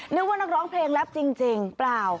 นึกว่านักร้องเพลงแรปจริงเปล่า